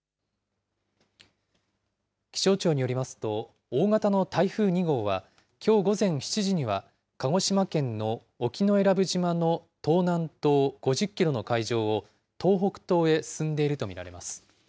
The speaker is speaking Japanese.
気象庁によりますと、大型の台風２号は、きょう午前７時には、鹿児島県の沖永良部島の東南東５０キロの海上を東北東へ進んでいると見られます。